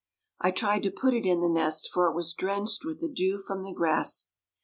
I tried to put it in the nest for it was drenched with the dew from the grass.